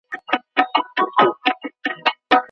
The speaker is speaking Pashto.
د ښووني پوهنځۍ په بیړه نه بشپړیږي.